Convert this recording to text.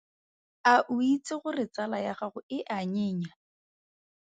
A o itse gore tsala ya gago e a nyenya?